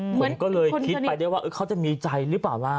ผมก็เลยคิดไปได้ว่าเขาจะมีใจหรือเปล่าล่ะ